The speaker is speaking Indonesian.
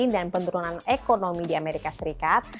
dan penurunan ekonomi di amerika serikat